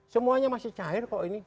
semuanya masih cair kok ini